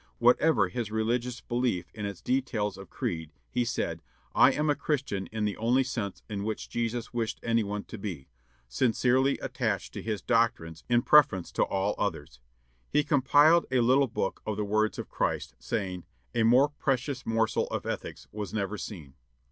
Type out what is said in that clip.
Whatever his religious belief in its details of creed, he said, "I am a Christian in the only sense in which Jesus wished any one to be sincerely attached to his doctrines in preference to all others." He compiled a little book of the words of Christ, saying, "A more precious morsel of ethics was never seen."